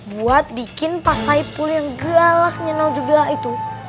buat bikin pak saipul yang galah nyenal jubilah itu